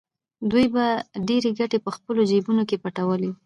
دوی به ډېرې ګټې په خپلو جېبونو کې پټولې